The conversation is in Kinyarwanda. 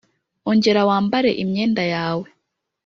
ongera wambare imyenda yawe